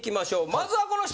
まずはこの人！